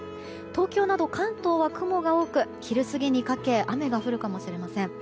東京など関東は雲が多く昼過ぎにかけ雨が降るかもしれません。